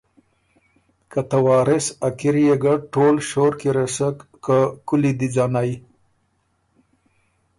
که ته وارث آ کِريې ګه ټول شور کی رسک که کُولی دی ځنئ